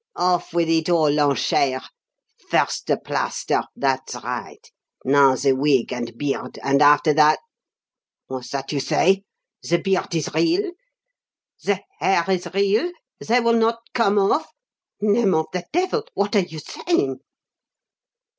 Off with it all, Lanchere. First, the plaster that's right. Now, the wig and beard, and after that What's that you say? The beard is real? The hair is real? They will not come off? Name of the devil! what are you saying?"